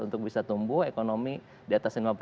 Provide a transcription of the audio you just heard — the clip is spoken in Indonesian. untuk bisa tumbuh ekonomi di atas